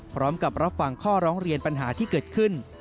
พร้อมกับรับฟังข้อร้องเรียนปัญหาที่เกิดขึ้น